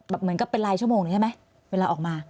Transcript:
เหมือนกับเป็นรายชั่วโมงเลยใช่ไหมเวลาออกมา